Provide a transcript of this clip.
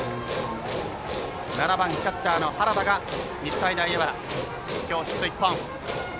７番、キャッチャーの原田が日体大荏原きょうヒット１本。